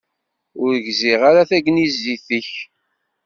Ur gziɣ ara tagnizit-ik.